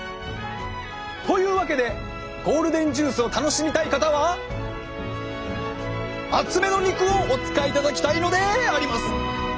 というわけでゴールデンジュースを楽しみたい方は厚めの肉をお使いいただきたいのであります！